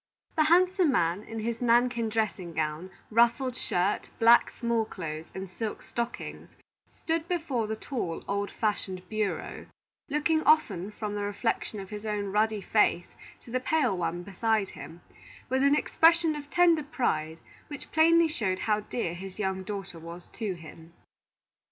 The handsome man, in his nankin dressing gown, ruffled shirt, black small clothes, and silk stockings, stood before the tall, old fashioned bureau, looking often from the reflection of his own ruddy face to the pale one beside him, with an expression of tender pride, which plainly showed how dear his young daughter was to him.